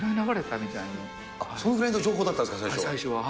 今、そのぐらいの情報だったんで最初は。